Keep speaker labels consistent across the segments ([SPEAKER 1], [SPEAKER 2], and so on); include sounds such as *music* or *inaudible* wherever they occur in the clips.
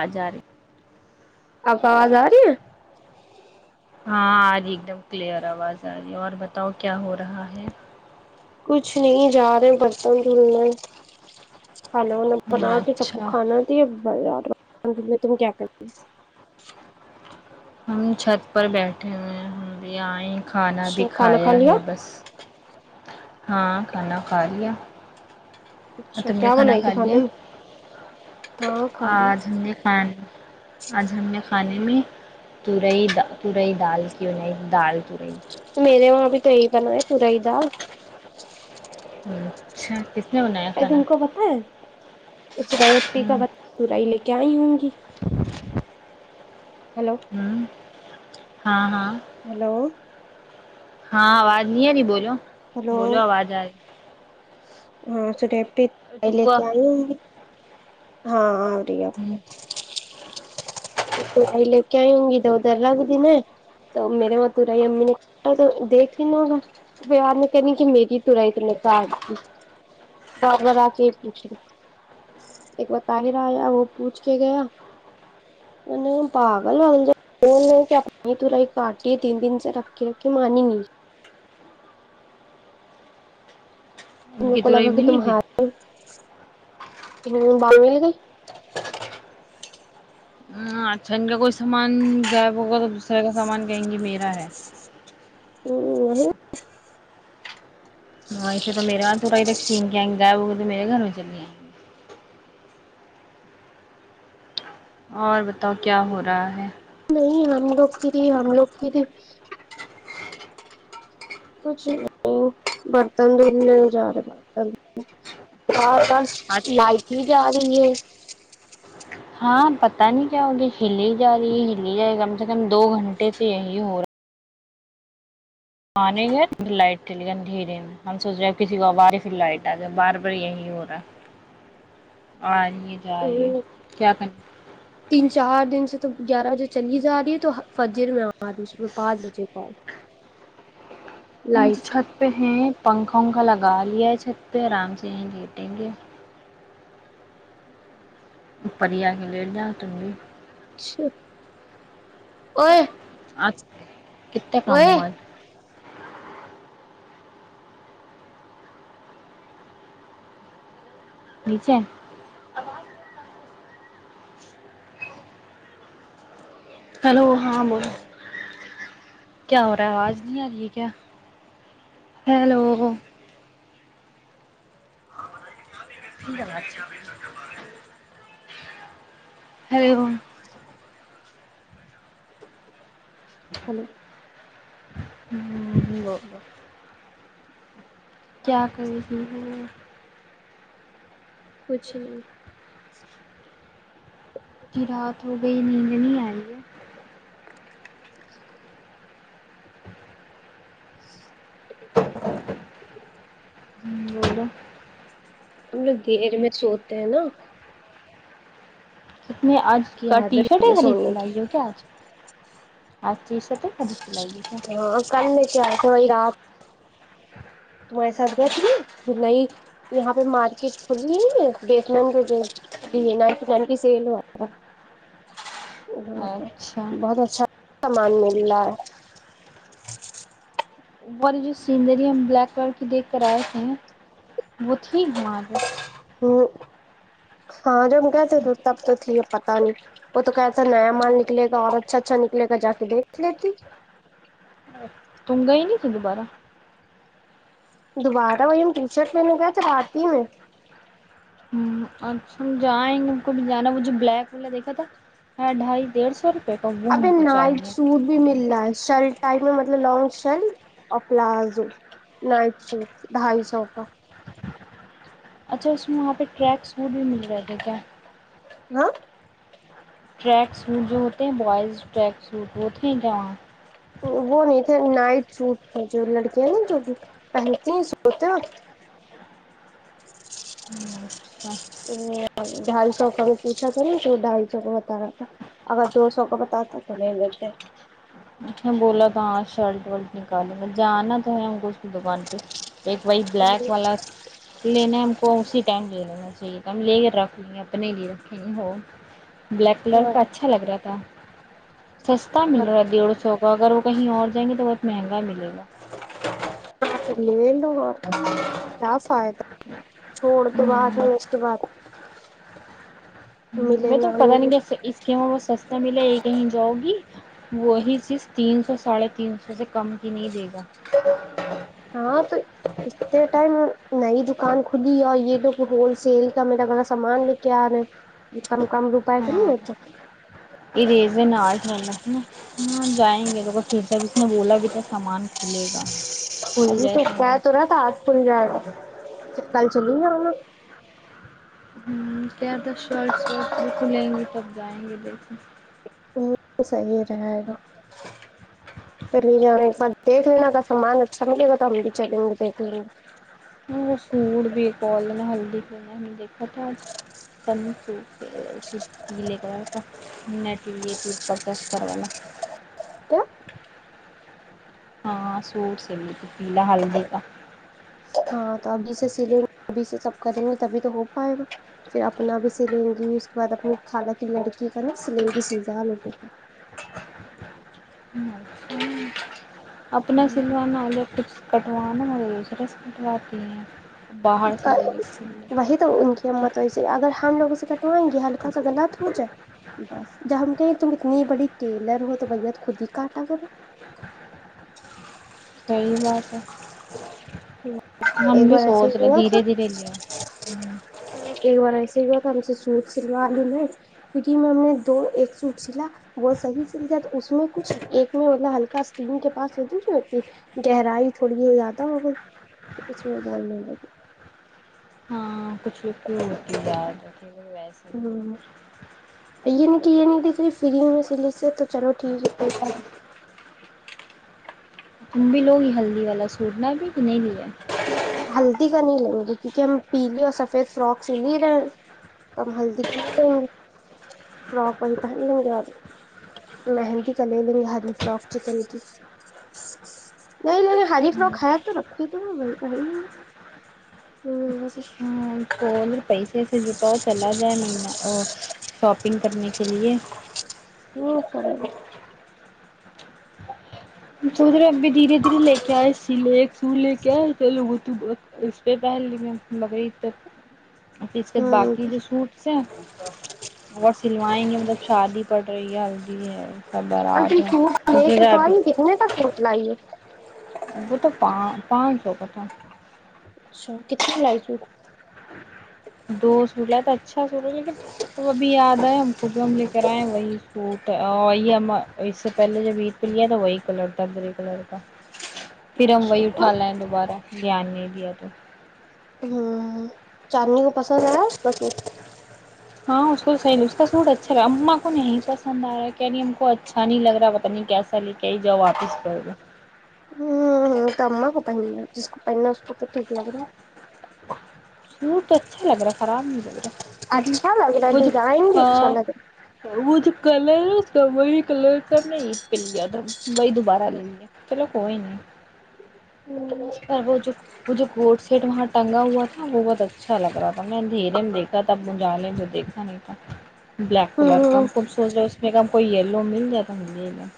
[SPEAKER 1] آ ج رہے
[SPEAKER 2] آپ آواز آ رہی ہیں
[SPEAKER 1] ہاں آ رہی ایک دم کلیئر آواز آ رہی ہے اور بتاؤ کیا ہو رہا ہے
[SPEAKER 2] کچھ نہیں جا رہے بسن دھلن کھانا وانا بنا کے سب کو
[SPEAKER 1] اچھا
[SPEAKER 2] کھانا ت یہ بازار الحمد للہ تم کیا کرو؟
[SPEAKER 1] ہم چھت پر بیٹھے ہوئے ہیں ہم بھی آئ کھانا
[SPEAKER 2] اچھا
[SPEAKER 1] بھی
[SPEAKER 2] کھانا کھا
[SPEAKER 1] کھایا
[SPEAKER 2] لیا
[SPEAKER 1] ہے بس ہاں کھانا کھا لیا
[SPEAKER 2] اچھا
[SPEAKER 1] تم نے
[SPEAKER 2] کیا
[SPEAKER 1] کھانا
[SPEAKER 2] بنائی
[SPEAKER 1] کھا
[SPEAKER 2] تھی
[SPEAKER 1] لیا
[SPEAKER 2] کھانے میں ہاں کھ ل
[SPEAKER 1] آج ہم نے کھان آج ہم نے کھانے میں تورئی تورئی دال کی بن دال تورئی
[SPEAKER 2] تو میرے وہاںب ئی ب ن ہے پوراائی دا
[SPEAKER 1] *unintelligible*
[SPEAKER 2] ا
[SPEAKER 1] کھانا
[SPEAKER 2] تم کو پت ہے اسٹی کا
[SPEAKER 1] ہوں
[SPEAKER 2] ب لے کیا آ ہوں گی ہیلو
[SPEAKER 1] *unintelligible* ہاں ہاں
[SPEAKER 2] ہیلو
[SPEAKER 1] ہاں آج نہیں ہے نہیںی بوولو
[SPEAKER 2] ہیلو
[SPEAKER 1] بولو آواز آ رہی
[SPEAKER 2] ہاں س
[SPEAKER 1] تم
[SPEAKER 2] لے
[SPEAKER 1] کو
[SPEAKER 2] کے آئی ہوں گی ہاں آ رہی اپ
[SPEAKER 1] ہوں
[SPEAKER 2] تورائی لے کے آئی ہوں گی ا تو ادھر رہا کے دن ہے تو میرے وہاں تورائی امی نے تو دیکھ ہیینا ہوگاوار نے کہنی کہ میری تورائی اتنے کا آ بابر آ کے یہ پوچھے ایک بتا ہی رہایا وہ پوچھ کے گیا پاگل وال ج بول کہ توی کاٹی تین دن سے رکھ کے رکھ کے مانی گ
[SPEAKER 1] ان
[SPEAKER 2] تمے
[SPEAKER 1] کی
[SPEAKER 2] کو
[SPEAKER 1] تورئی
[SPEAKER 2] لگا کہ
[SPEAKER 1] ملی پھر
[SPEAKER 2] تمہار ت باملی گ
[SPEAKER 1] ہ اچھا ان کا کوئی سامان جائےغ ر سامان کہیں گی میرے ہے
[SPEAKER 2] ہ
[SPEAKER 1] م ایسے تو میرے توڑا ہی رق گا ہے وہ تو میرے گھروں میں چلیا اور بتاؤ کیا ہو رہا ہے
[SPEAKER 2] نہیں ہم لوگ کے لیے ہم لوگ کی لی کچھ نہیں برتن دن نہیں جا رہے برتن د
[SPEAKER 1] آج
[SPEAKER 2] لائٹ نہیں جا ہو *unintelligible*
[SPEAKER 1] ہاں پتاہ نہیں کیا ہوگی ہلی ہی جا رہی ہے ہلی جا رہی کم سے کم دو گھنٹے سے یہی ہو رہا ہے آنے گ لائٹ چلی گ دھیرے ہم سوچ رہے ہیں کسی کو آواز پھر لائٹ آ گائے بار بار یہی ہو رہا آ ہے جا
[SPEAKER 2] ا
[SPEAKER 1] رہی ہے کیا کریں
[SPEAKER 2] تین چار دن سے تو گیارہ بجے چلی جا رہی ہے تو فجر میں آ رہی صبح پانچ بجے ک
[SPEAKER 1] ہم تو چھت پہ ہیں پنکھا ونکھا لگا لیا ہے چھت پہ آرام سے یہیں گٹیں گے اپری ہی آ کے لیٹ جاؤ تم بھی
[SPEAKER 2] اچھا
[SPEAKER 1] اچھا کتنے
[SPEAKER 2] اوئے
[SPEAKER 1] کاماز نیچے *inaudible* ہلو ہاں بولو کیا ہو رہا ہے آواز نہیں آ رہی ہے کیا ہلو ار *unintelligible*
[SPEAKER 2] چپل *unintelligible*
[SPEAKER 1] ہ ل بت گ *unintelligible* کیا کروس
[SPEAKER 2] کچھ
[SPEAKER 1] ج رات ہو گئی نیند نہیں آئی ہے ج *inaudible* ہ بولو
[SPEAKER 2] ہم لوگ دیر میں سوتے ہیں نا
[SPEAKER 1] میں آج
[SPEAKER 2] کی
[SPEAKER 1] کا ٹی
[SPEAKER 2] عادت
[SPEAKER 1] شرٹ ہی
[SPEAKER 2] مجھے
[SPEAKER 1] خریدتی
[SPEAKER 2] سونے کی
[SPEAKER 1] لائی ہو کیا آج آ چیز س تو خرید کے ل گی کیا
[SPEAKER 2] کوئی رات تمہارے ساتھ گئے تھے نا نئی یہاں پہ مارکیٹ کھلی بیسن ن کی سیل ہوا تھا وہاں
[SPEAKER 1] اچھا
[SPEAKER 2] بہت اچھا مان اللہ
[SPEAKER 1] والی جو سینری ہم بلیک کلر کی دیکھ کر آئے تھے ہیں وہ تھی وہاں پہ
[SPEAKER 2] ہوں ہاں جب گئے تھے تھے تب تو تھی پتا نہیں وہ تو کیسا نیا مال نکلے گا اور اچھا اچھا نکلے گا جا کے دیکھ لیتی
[SPEAKER 1] تگا ہی نہیں ت دوبارہ
[SPEAKER 2] دوبارہ وہی ہم ٹی شرٹ لنے گئے چل آتی میں
[SPEAKER 1] اچ ہم جائیں گے کوبھی جانا مجھے بلیک والا دیکھا تھا ڈھائی ڈیڑھ سو روپے کا وہ ہم
[SPEAKER 2] ابھی
[SPEAKER 1] کو
[SPEAKER 2] نائٹ
[SPEAKER 1] چاہیے
[SPEAKER 2] سوٹ بھی مل رہا ہے شرٹ ٹائٹ میں مطلب لانگ شرٹ اور پلازو نائٹ شوٹ ڈھائی سو کا
[SPEAKER 1] اچھا اس میں وہاں پہ ٹریک سوٹ بھی مل رہے تھے کیا
[SPEAKER 2] ہ
[SPEAKER 1] ٹریک سوٹ جو ہوتے ہیں بوائز ٹریک سوٹ ہوتے ہیں ج وہاں
[SPEAKER 2] وہ نہیں تھے نائٹ سوٹ تھا جو لڑکیاں نا جو پہنتی ہیں سوتے اچ
[SPEAKER 1] ہ اچھا
[SPEAKER 2] تو ڈھائی سو کا بھی پوچھا تھا نا تو ڈھائی سو کو بتا رہا تھا اگر جو سو کو بتا آ توم جتے
[SPEAKER 1] اس نے بولا ہاں شرٹ ورٹ نکالیں گا جانا تو ہے ہم کو اس کی دکان پہ ایک وائٹ بلیک والا لینا ہے ہم کو اسی ٹائم لے لینا ج ت لے کر رکھ لیا اپنے لیے رکھیں ہو وہ بلیک کلر کا
[SPEAKER 2] اور
[SPEAKER 1] اچھا لگ رہا تھا سستا مل رہا ڈیڑھ سو کا اگر وہ کہیں اور جائیں گے تو مہنگال
[SPEAKER 2] لو اور سا چھوڑ دو بعد میں اس کے بعد
[SPEAKER 1] ہ
[SPEAKER 2] ملے
[SPEAKER 1] میں
[SPEAKER 2] نہ
[SPEAKER 1] تمہیں پتا نہیں
[SPEAKER 2] ملے
[SPEAKER 1] کیا اسکیم بت سستا ملا یہ کہیں جاب وہی چیز تین سو ساڑھے تین سو سے کم کی نہیں دے گی
[SPEAKER 2] ہاں تو اتنے ٹائم نہیں د دکان کھلی اور یہ تو ہول سیل کا میرا گا سامان لے کے آ کم کم روپئے کا نہیں
[SPEAKER 1] ہاں
[SPEAKER 2] ہوتا
[SPEAKER 1] ا رزے نٹھنا ہے نا ہاں جائیں گے تو پھر سے بھی اس نے بولا بھی تھا سامان کھلے گا
[SPEAKER 2] *inaudible*
[SPEAKER 1] کھل جائے سامان
[SPEAKER 2] کل چلیے گیا م
[SPEAKER 1] *inaudible* ج کھلیں گی تب جائیں گے دیکے
[SPEAKER 2] *inaudible* کیا
[SPEAKER 1] *inaudible* ہاں سوٹ سل تو پی ل ہلدی کا
[SPEAKER 2] *inaudible* *inaudible*
[SPEAKER 1] *inaudible* اپنا سلوانا یا کچھ کٹوانا *inaudible* سے لے لے کے سلے
[SPEAKER 2] وہی تو ان کی ہمت وی اگر ہم لوگ کٹوائیں گے ہلکا سا لط ہو جائے بس جب ہم کہیں تم اتنی بڑی ٹیلر ہو تو بھیا تو خود ہی کاٹا کرو
[SPEAKER 1] صی بات ہے ہم
[SPEAKER 2] ایک
[SPEAKER 1] بھی
[SPEAKER 2] بار ایسے
[SPEAKER 1] سوچ
[SPEAKER 2] ہی ہوا تھا
[SPEAKER 1] دھیرے دھیرے ل ہ
[SPEAKER 2] *inaudible* دھ سلوا لی میں *inaudible*
[SPEAKER 1] *inaudible* *inaudible*
[SPEAKER 2] *inaudible* *inaudible* *inaudible* چلو ٹھیک ہے کوئی چ نہیں
[SPEAKER 1] تم بھی لو گی ہلدی والا سوٹ نا ابھی تو نہیں لیا
[SPEAKER 2] ہلدی کا نہیں لیں گے کیونکہ ہم پیلے اور سفید فرواک س لی رہے ہیں تو ہم ہلدی کی لیں گے فراک وہی پہن لیں گے اور مہندی کا لے لیں گے ہری فرک چکن کی نہیں نہیں ہری فراک ہے تو رھی تو بھائی بائی ہ
[SPEAKER 1] سر پیسے سے جٹاؤ چلا جائے مین شاپنگ کرنے کے لیے سوچ رہے اب بھی دھیرے دھیرے لے کے آئے سلے سو لے کے آئے چ لوگ تو اس پہ پہل لگ رہی تک اور پھر اس کے بعد باقی جو سوٹس ہیں وہ سلوائیں گے مطلب شادی پڑ رہی ہے *inaudible*
[SPEAKER 2] *inaudible*
[SPEAKER 1] ہے
[SPEAKER 2] سٹ لئیے
[SPEAKER 1] ب تو پان پانچ لو گ تھاھ تھا
[SPEAKER 2] اچھا کتنے کلائی س
[SPEAKER 1] دو سوٹ لائے تو اچھا سوٹ لیکن ا ابھی یاد آئے ہم کو جو ہم لے کر آئے ہیں وہی سوٹی ہم اس سے پ پہلے جب پلیا تو وہی کلر تھا گرے کلر کا پھر ہم وہی اٹا لائیں دوبارہ دھیان نہیں دیا تو
[SPEAKER 2] ہوں چاندنی کو پسند ہے رہا بس
[SPEAKER 1] ہاں اس کو تو صحی نہیں اس کا سوٹ اچھا لگ رہا اما کو نہیں پسند آ رہا کیا نہیں ہم کو اچھا نہیں لگا پتا نہیں کیسا لے کے ہی جاؤ واپس کر
[SPEAKER 2] ہمم تو اما کو پہننا ہے جس کو پہننا ہے اس کو تو ٹھیک لگ رہا ہے
[SPEAKER 1] سوٹ تو اچھا لگ رہا ہے خراب نہیں لگ رہا
[SPEAKER 2] ہے
[SPEAKER 1] لیکن
[SPEAKER 2] اچھا لگ رہا
[SPEAKER 1] وہ
[SPEAKER 2] ہے
[SPEAKER 1] جو
[SPEAKER 2] ڈیزائن بھی اچھا لگ
[SPEAKER 1] وہ ک ر کا وہ کلرید پ لیا ا وہی دوبارہ لے لیا چلو کوئی نہیں
[SPEAKER 2] رہا ہے
[SPEAKER 1] پر وہ جو وہ جو گٹ سیٹ وہاں ٹنگا ہوا تھا وہ بہت اچھا لگ رہا تھا میں نے ان دھیرے میں دیکھا تھا گنڈال لے جو دیکھا نہیں تھا بلیک کلر کا ہم
[SPEAKER 2] ہمم
[SPEAKER 1] کم سوچ رہے ہو اس میں کا کوئی یلو مل جائے تو ملی گ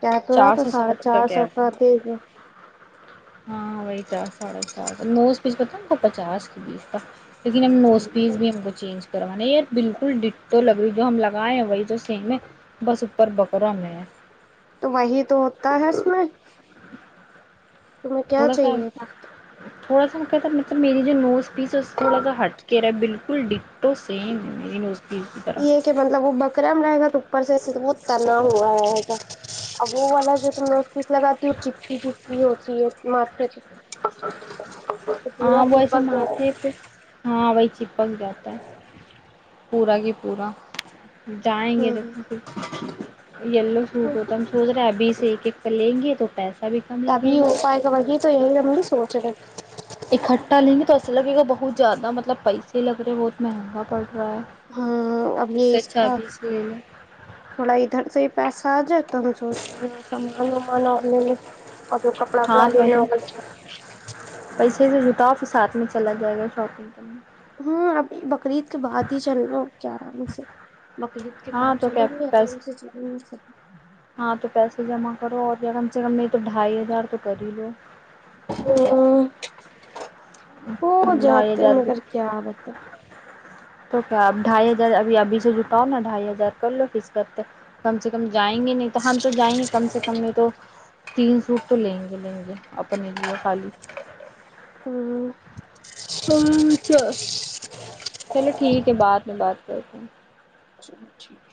[SPEAKER 2] کیا تو رہا تو ساڑھے چار سو
[SPEAKER 1] تھا
[SPEAKER 2] کا دے جو
[SPEAKER 1] ہاں وہی چار ساڑھے چار نو اس بیچ پتا ن کو پچاس کی بیس کا لیکن ہم نوز پیس بھی ہم کو چینج کرا یہ بالکل ڈٹو لگ رہی جو ہم لگائے ہیں وہی سیم ہے بس ا پرب کر میں ہیں
[SPEAKER 2] تو وہی تو ہوتا ہے اس میں تمہیں کیا
[SPEAKER 1] تھوڑا سا
[SPEAKER 2] چاہیے تھا
[SPEAKER 1] تھوڑا سا کہتا مطلب میری جو نوز پیس ہے تھوڑا سا ہٹ کے رہا ہے بالکل ڈپ تو سم ہےیز کی طرح
[SPEAKER 2] م رہے گا تو اپر سے پت نہ ہوا ہے ہےگا اب وہ والا جو تم اس پیس لگاتی ہو چپکی چپکی ہوتی ہے ماتھ
[SPEAKER 1] ہاں وہ ایسے
[SPEAKER 2] چپک گیا
[SPEAKER 1] مھے پہ ہاں ا پک جاتا ہے پورا گ پورا جائیں گے
[SPEAKER 2] ہے
[SPEAKER 1] دیک یلو سوٹ ہوتا ہے ہم سوچ رہے ابھی سے لیں گے تو پیسے
[SPEAKER 2] ت ابھی ہو پائے گا وہی تو یہی ر سچ
[SPEAKER 1] اکٹھا لیں گے تو ایسا لگے گا بہت زیادہ مطلب پیسے لگ رہے ہیں بہت مہنگا پڑ رہا ہے
[SPEAKER 2] ہاں اب
[SPEAKER 1] تو
[SPEAKER 2] یہ
[SPEAKER 1] سے
[SPEAKER 2] اس
[SPEAKER 1] اچھا
[SPEAKER 2] کا
[SPEAKER 1] ابھی سے لے لیں
[SPEAKER 2] تھوڑا ادھر سے پیسہ جائے تم سوچ سامان وامان آ
[SPEAKER 1] ہاں تو ویسے پیسے سے جتا ساتھ میں چلا جائے گا شاپنگ کے لی
[SPEAKER 2] ہوں ابھی بک بقرید کے بعد ہی چلناا ا کے آرام سے بقرید کے بعد
[SPEAKER 1] ہاں تو کیا
[SPEAKER 2] چلیں گے آرام
[SPEAKER 1] پیسے
[SPEAKER 2] سے چلیں گے سب
[SPEAKER 1] ہاں تو پیسے جمع کرو اور یا کم سے کم تو ڈھائی ہزار تو کر ہی لے
[SPEAKER 2] سب ہو جاتے
[SPEAKER 1] بھی
[SPEAKER 2] مگر کیا بت ہے
[SPEAKER 1] تو کیا اب ڈھائی ہزار ابھی ابھی سے جٹاؤ نا ڈھائی ہزار کر لو کس کرتے کم سے کم جائیں گے نہیں تو ہم تو جائیں گے کم سے کم نہیں تو تین سوٹ تو لیں گے لیں گے اپنے لیےے خالی
[SPEAKER 2] ہاں
[SPEAKER 1] ہچ چلو ٹھیک ہے بعد میں بات کیاکم
[SPEAKER 2] سب ٹھیک